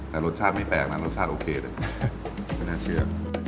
แต่รสชาติไม่แตกนะรสชาติโอเคเลยไม่น่าเชื่อ